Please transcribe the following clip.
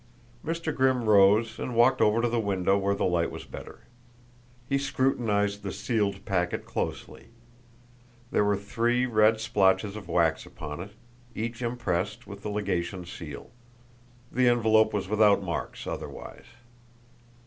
Mr. Grimm rose and walked over to the window where the light was better. He scrutinized the sealed packet closely. There were three red splotches of wax upon it, each impressed with the legation seal; the envelope was without marks otherwise.